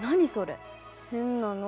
変なの。